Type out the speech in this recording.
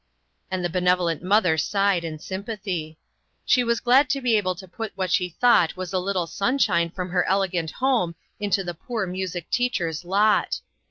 And the benevolent mother sighed in sympathy. She was glad to be able to put what she thought was a little sunshine from her elegant home into the poor music teacher's lot.